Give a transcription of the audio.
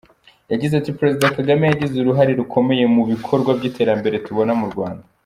Yagize ati “Perezida Kagame yagize uruhare rukomeye mu bikorwa by’iterambere tubona mu Rwanda.